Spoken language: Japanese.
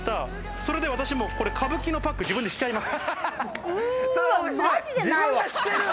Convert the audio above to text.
それでもう歌舞伎のパックを自分でしちゃいます。